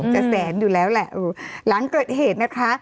แสนอยู่แล้วแหละหลังเกิดเหตุนะคะ